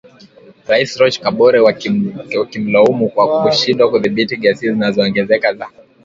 Rais Roch Kabore wakimlaumu kwa kushindwa kudhibiti ghasia zinazoongezeka za